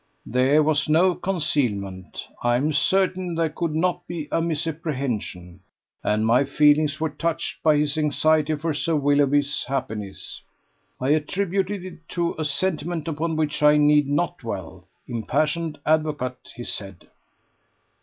There was no concealment. I am certain there could not be a misapprehension. And my feelings were touched by his anxiety for Sir Willoughby's happiness. I attributed it to a sentiment upon which I need not dwell. Impassioned advocate, he said."